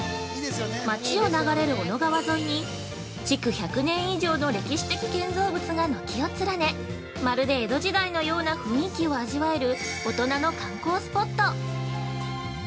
町を流れる小野川沿いに築１００年以上の歴史的建造物が軒を連ねまるで江戸時代のような雰囲気を味わえる大人の観光スポット！